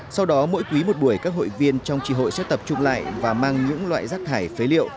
sau đó mỗi quý một buổi các hội viên trong tri hội sẽ tập trung lại và mang những loại rác thải phế liệu